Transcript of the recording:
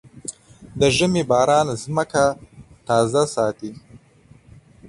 د ژمي باران ځمکه تازه ساتي.